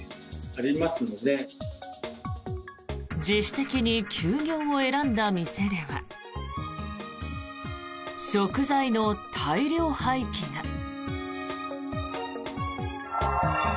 自主的に休業を選んだ店では食材の大量廃棄が。